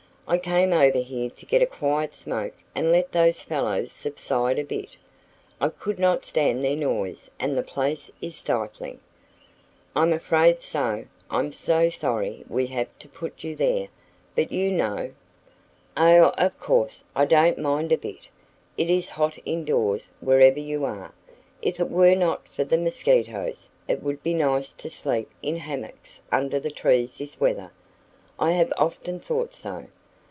I came over here to get a quiet smoke and let those fellows subside a bit. I could not stand their noise, and the place is stifling." "I'm afraid so. I'm so sorry we have to put you there; but you know " "Oh, of course! I don't mind a bit. It is hot indoors, wherever you are. If it were not for the mosquitoes, it would be nice to sleep in hammocks under the trees this weather." "I have often thought so.